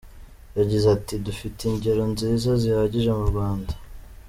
Yagize ati “Dufite ingero nziza zihagije mu Rwanda.